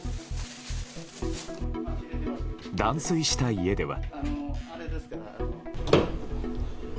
断水した家では。